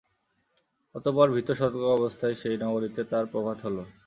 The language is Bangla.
অতঃপর ভীত সতর্ক অবস্থায় সেই নগরীতে তার প্রভাত হল।